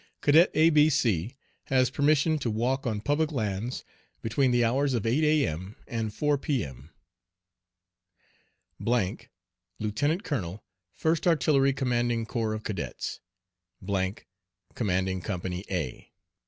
Cadet A B C has permission to walk on public lands between the hours of 8 A.M. and 4 P.M. , Lieut. Colonel First Art'y Comd'g Corps of Cadets. , Commanding Company "A."